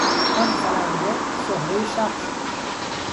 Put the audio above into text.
آن خواننده شهرهی شهر شد.